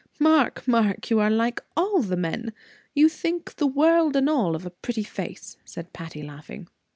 "Mark, Mark, you are like all the men you think the world and all of a pretty face," said Patty, laughing.